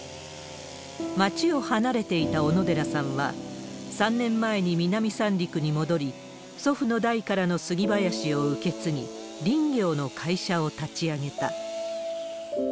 町を離れていた小野寺さんは、３年前に南三陸に戻り、祖父の代からの杉林を受け継ぎ、林業の会社を立ち上げた。